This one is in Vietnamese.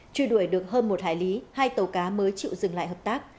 truy đuổi được hơn một hải lý hai tàu cá mới chịu dừng lại hợp tác